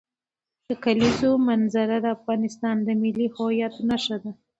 د کلیزو منظره د افغانستان د ملي هویت نښه ده.